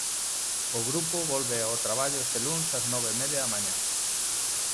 O grupo volve ao traballo este luns ás nove e media da mañá.